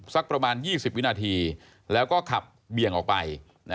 สักประมาณ๒๐วินาทีแล้วก็ขับเบี่ยงออกไป